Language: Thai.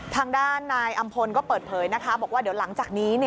ทางด้านนายอำพลก็เปิดเผยนะคะบอกว่าเดี๋ยวหลังจากนี้